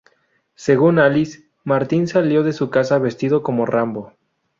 Según Alice, Martin salió de su casa vestido como Rambo.